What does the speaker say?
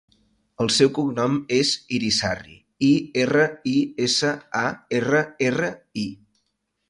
El seu cognom és Irisarri: i, erra, i, essa, a, erra, erra, i.